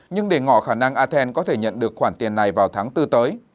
nhưng để ngỏ khả năng athens có thể nhận được khoản tiền này vào tháng bốn tới